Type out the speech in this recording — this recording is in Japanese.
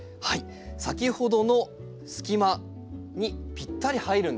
先ほどの隙間にぴったり入るんですね。